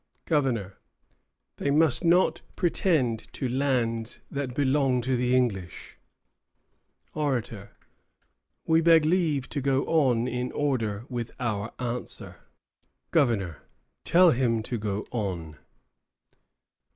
GOVERNOR. They must not pretend to lands that belong to the English. ORATOR. We beg leave to go on in order with our answer. GOVERNOR. Tell him to go on.